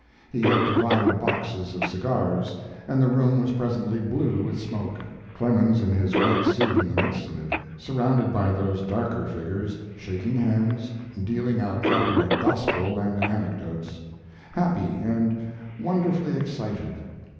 He had provided boxes of cigars, and the room was presently blue with smoke, Clemens in his white suit in the midst of it, surrounded by those darker figures shaking hands, dealing out copyright gospel and anecdotes happy and wonderfully excited.